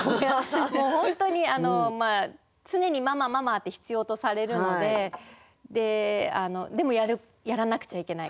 もう本当に常に「ママママ」って必要とされるのででもやらなくちゃいけないこともある。